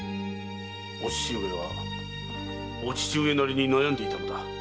お父上はお父上なりに悩んでいたのだ。